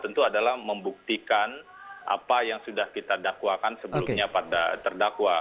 tentu adalah membuktikan apa yang sudah kita dakwakan sebelumnya pada terdakwa